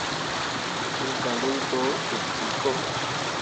Mo gǝlaŋ to deb ki ko.